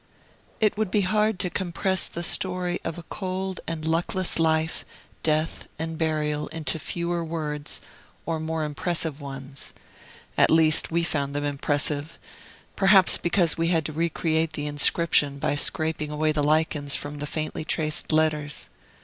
It would be hard to compress the story of a cold and luckless life, death, and burial into fewer words, or more impressive ones; at least, we found them impressive, perhaps because we had to re create the inscription by scraping away the lichens from the faintly traced letters.